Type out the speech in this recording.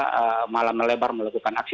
justru masa malah melebar melakukan aksi